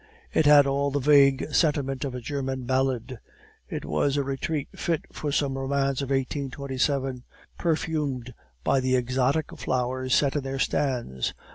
It had all the vague sentiment of a German ballad; it was a retreat fit for some romance of 1827, perfumed by the exotic flowers set in their stands.